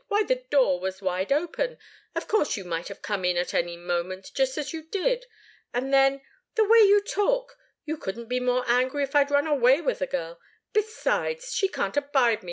Why, the door was wide open of course you might have come in at any moment, just as you did. And then the way you talk! You couldn't be more angry if I'd run away with the girl. Besides she can't abide me.